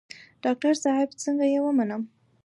ډاکتر صاحب څنګه يې ومنم.